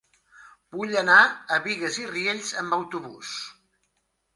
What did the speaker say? Vull anar a Bigues i Riells amb autobús.